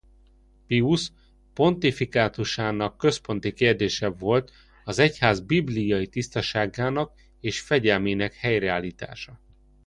Piusz pontifikátusának központi kérdése volt az egyház bibliai tisztaságának és fegyelmének helyreállítása.